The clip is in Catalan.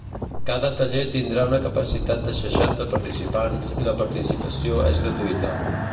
Cada taller tindrà una capacitat de seixanta participants i la participació és gratuïta.